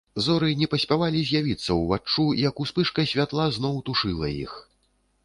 Зоры не паспявалі з'явіцца ўваччу, як успышка святла зноў тушыла іх.